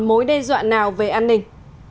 mối đe dọa nào về an ninh